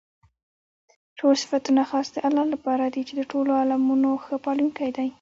ټول صفتونه خاص د الله لپاره دي چې د ټولو عالَمونو ښه پالونكى دی.